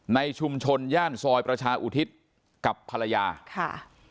ในชุมชนย่านซอยประชาอุทิศกับภรรยาค่ะ